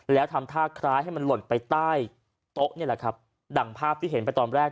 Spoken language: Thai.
แล้วทำท่าคล้ายให้มันหล่นไปใต้โต๊ะนี่แหละครับดังภาพที่เห็นไปตอนแรก